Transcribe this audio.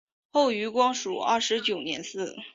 后于光绪二十九年祠。